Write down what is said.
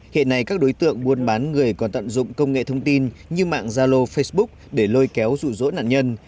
hiện nay các đối tượng buôn bán người còn tận dụng công nghệ thông tin như mạng gia lô facebook để lôi kéo rủ rỗ nạn nhân